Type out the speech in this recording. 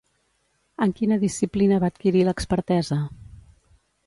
En quina disciplina va adquirir l'expertesa?